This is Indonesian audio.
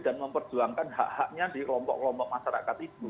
dan memperjuangkan hak haknya di kelompok kelompok masyarakat itu